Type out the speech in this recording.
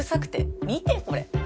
見てこれ。